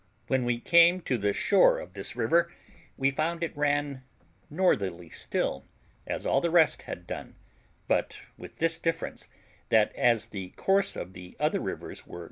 When we came to the shore of this river, we found it ran northerly still, as all the rest had done, but with this difference, that as the course of the other rivers were N.